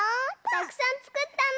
たくさんつくったの！